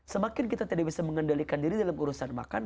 semakin kita tidak bisa mengendalikan diri dalam urusan makan